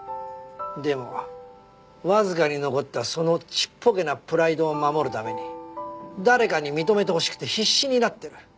でもわずかに残ったそのちっぽけなプライドを守るために誰かに認めてほしくて必死になってる。